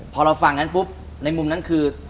พอเราฟังงั้นปุ๊บในมุมนั้นคือ